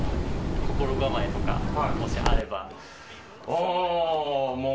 心構えとかが、もしあれば。